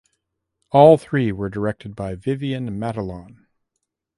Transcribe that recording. All three were directed by Vivian Matalon.